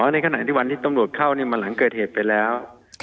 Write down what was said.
ในขณะที่วันที่ตำรวจเข้ามาหลังเกิดเหตุไปแล้ว